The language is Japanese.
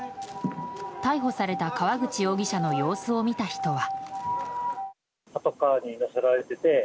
逮捕された川口容疑者の様子を見た人は。